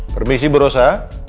permisi bu rosa